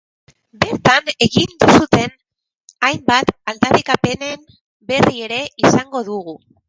Bertan egin dituzten hainbat aldarrikapenen berri ere izango dugu.